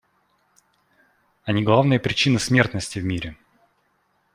Они главная причина смертности в мире.